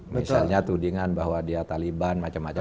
misalnya tudingan bahwa dia taliban macam macam